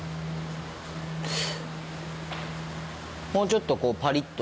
もうちょっとこうパリッと。